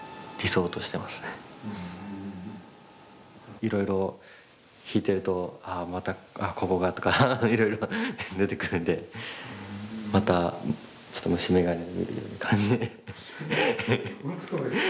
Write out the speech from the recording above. いろいろ弾いてるとああまたあっここがとかいろいろ出てくるんでまたちょっと楽しそうですね。